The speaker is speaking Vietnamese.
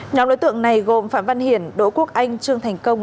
nhóm đối tượng này gồm phạm văn hiển đỗ quốc anh trương thành công